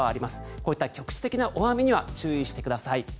こういった局地的な大雨には注意してください。